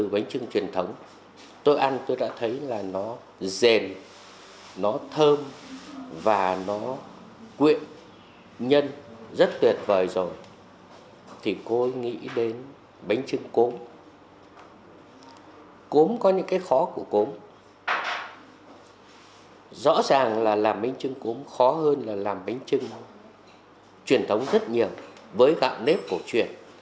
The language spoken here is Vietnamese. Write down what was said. bánh trưng cốm khó hơn là làm bánh trưng truyền thống rất nhiều với gạo nếp cổ truyền